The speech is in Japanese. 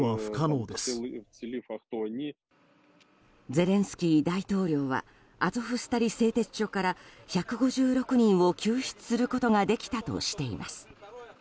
ゼレンスキー大統領はアゾフスタリ製鉄所から１５６人を救出することができたとしています。